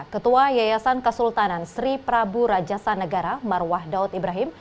ketua yayasan kesultanan sri prabu rajasa negara marwah daud ibrahim